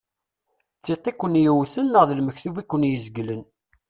D tiṭ iken-yewten neɣ d lmektub i aken-izeglen.